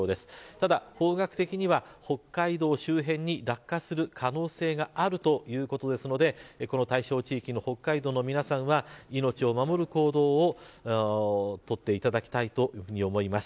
ただ、方角的には北海道周辺に落下する可能性があるということですのでこの対象地域の北海道の皆さんは命を守る行動を取っていただきたいというふうに思います。